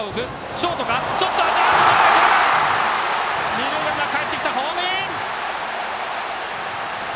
二塁ランナーかえってきたホームイン！